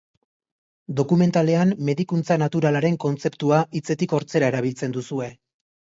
Dokumentalean, medikuntza naturalaren kontzeptua hitzetik hortzera erabiltzen duzue.